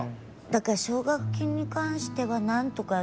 だから、奨学金に関してはなんとか。